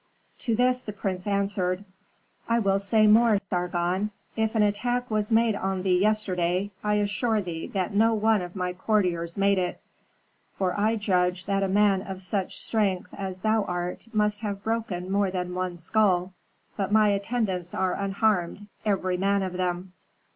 To this the prince answered, "I will say more, Sargon. If an attack was made on thee yesterday, I assure thee that no one of my courtiers made it. For I judge that a man of such strength as thou art must have broken more than one skull. But my attendants are unharmed, every man of them."